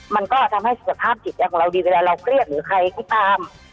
มันก็ทำให้สุขภาพจิตใจของเราดีเวลาเราเครียดหรือใครก็ตาม